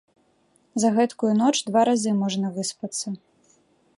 За гэткую ноч два разы можна выспацца!